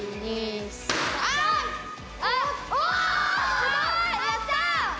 すごい！やった！